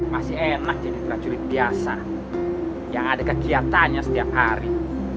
masih enak jadi prajurit biasa yang ada kegiatannya setiap hari